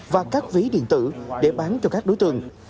và các ví điện tử để bán cho các đối tượng